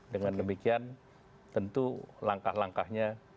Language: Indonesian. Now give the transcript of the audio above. dengan demikian tentu langkah langkahnya